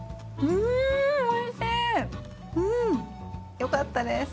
うん！よかったです。